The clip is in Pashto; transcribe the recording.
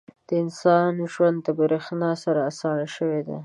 • د انسان ژوند د برېښنا سره اسانه شوی دی.